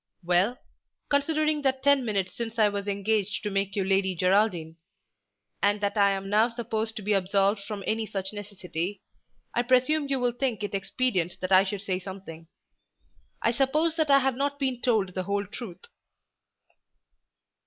"Well, considering that ten minutes since I was engaged to make you Lady Geraldine, and that I am now supposed to be absolved from any such necessity, I presume you will think it expedient that I should say something. I suppose that I have not been told the whole truth."